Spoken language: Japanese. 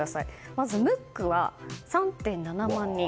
まず、ムックは３．７万人。